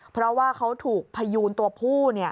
เพราะว่าเขาถูกพยูนตัวผู้